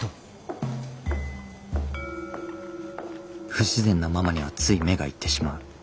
不自然なママにはつい目が行ってしまう。